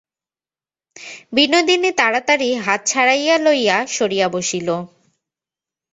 বিনোদিনী তাড়াতাড়ি হাত ছাড়াইয়া লইয়া সরিয়া বসিল।